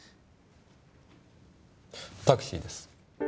タクシーです。